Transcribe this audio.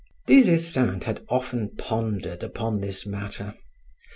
Des Esseintes had often pondered upon this matter.